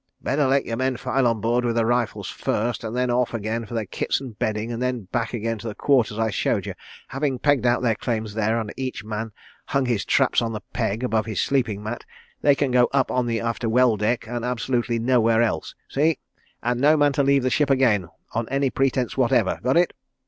"Better let your men file on board with their rifles first, and then off again for their kits and bedding, and then back again to the quarters I showed you. Having pegged out their claims there, and each man hung his traps on the peg above his sleeping mat, they can go up on the after well deck and absolutely nowhere else. See? And no man to leave the ship again, on any pretence whatever. Got it?"